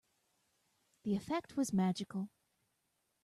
The effect was magical.